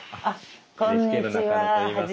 ＮＨＫの中野といいます。